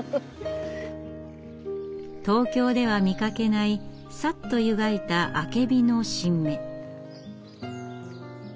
東京では見かけないさっとゆがいたアケビの新芽。